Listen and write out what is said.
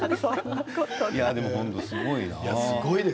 でも本当にすごいな。